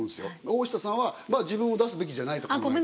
大下さんは自分を出すべきじゃないと考えてる。